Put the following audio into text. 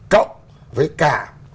cộng với cả